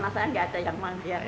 masanya nggak ada yang manja